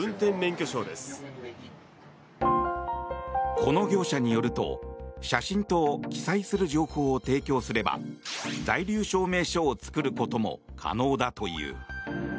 この業者によると写真と記載する情報を提供すれば在留証明書を作ることも可能だという。